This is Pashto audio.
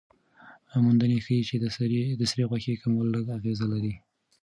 موندنې ښيي چې د سرې غوښې کمول لږ اغېز لري.